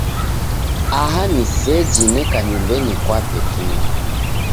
Aha ni ni seji neka nyumbenyi kwape tu.